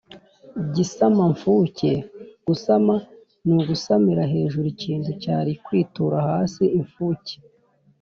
Gisamamfuke: gusama ni ugusamira hejuru ikintu cyari kwitura hasi. Imfuke